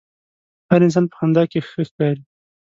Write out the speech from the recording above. هر انسان په خندا کښې ښه ښکاري.